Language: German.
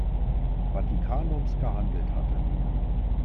Vatikanums gehandelt hatte.